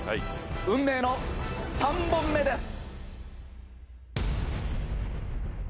運命の３本目です！